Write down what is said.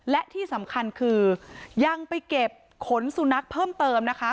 และที่สำคัญคือยังไปเก็บขนสุนัขเพิ่มเติมนะคะ